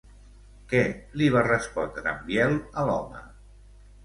Què li va respondre en Biel a l'home?